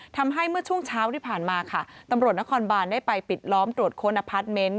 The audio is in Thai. เมื่อช่วงเช้าที่ผ่านมาค่ะตำรวจนครบานได้ไปปิดล้อมตรวจค้นอพาร์ทเมนต์